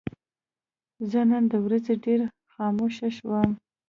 زه نن د ورځې ډېر خاموشه وم.